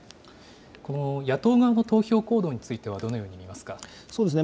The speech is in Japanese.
野党側の投票行動については、どのように見ますか。